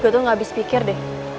gue tuh gak habis pikir deh